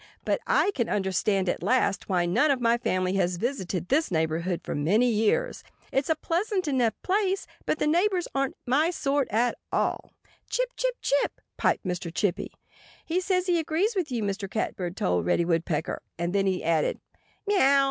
But I can understand at last why none of my family has visited this neighborhood for many years. It's a pleasant enough place. But the neighbors aren't my sort at all." "Chip, chip, chip, chip!" piped Mr. Chippy. "He says he agrees with you," Mr. Catbird told Reddy Woodpecker. And then he added, "Meaow!"